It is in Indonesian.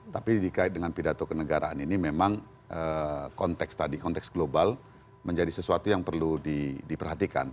tapi dikait dengan pidato kenegaraan ini memang konteks tadi konteks global menjadi sesuatu yang perlu diperhatikan